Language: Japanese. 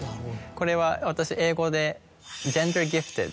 これは私英語で。